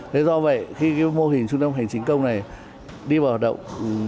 thế do vậy khi cái mô hình trung tâm hành chính công này đi vào hoạt động